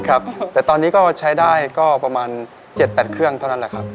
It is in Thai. ครับแต่ตอนนี้ก็ใช้ได้ก็ประมาณ๗๘เครื่องเท่านั้นแหละครับ